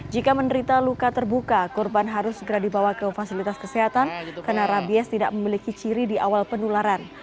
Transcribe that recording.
jika menderita luka terbuka korban harus segera dibawa ke fasilitas kesehatan karena rabies tidak memiliki ciri di awal penularan